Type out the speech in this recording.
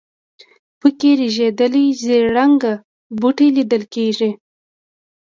په کې رژېدلي زېړ رنګه بوټي لیدل کېږي.